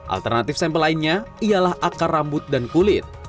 alternatif sampel lainnya ialah akar rambut dan kulit